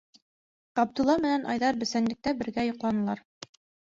Ғабдулла менән Айҙар бесәнлектә бергә йоҡланылар.